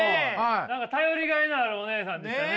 頼りがいのあるお姉さんでしたね！